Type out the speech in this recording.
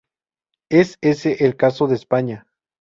Ese es el caso de España.